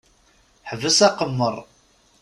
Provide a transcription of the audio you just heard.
Ḥbes aqemmeṛ!